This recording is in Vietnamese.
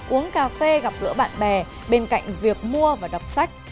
uống cà phê gặp gỡ bạn bè bên cạnh việc mua và đọc sách